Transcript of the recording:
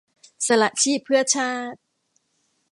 สละชีพเพื่อชาติ